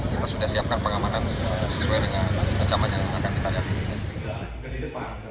kita sudah siapkan pengamanan sesuai dengan rencana yang akan kita lihat disini